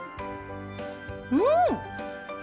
うん！